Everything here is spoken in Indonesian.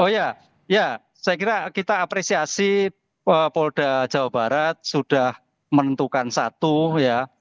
oh ya ya saya kira kita apresiasi polda jawa barat sudah menentukan satu ya